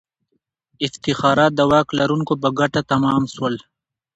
افتخارات د واک لرونکو په ګټه تمام سول.